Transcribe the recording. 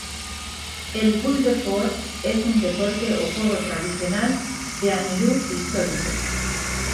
El "Boule de Fort" es un deporte o juego tradicional de Anjou histórico.